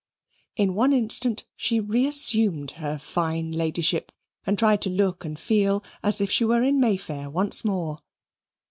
In one instant she reassumed her fine ladyship and tried to look and feel as if she were in May Fair once more.